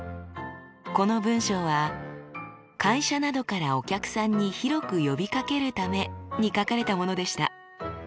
この文章は「会社などからお客さんに広く呼びかけるため」に書かれたものでした。